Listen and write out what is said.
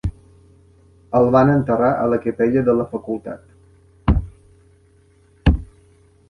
El van enterrar a la capella de la facultat.